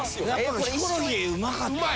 ヒコロヒーうまかったね。